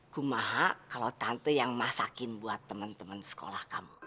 ku maha kalo tante yang masakin buat temen temen sekolah kamu